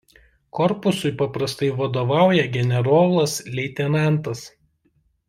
Korpusui paprastai vadovauja generolas leitenantas.